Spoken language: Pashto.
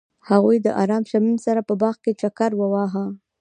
هغوی د آرام شمیم سره په باغ کې چکر وواهه.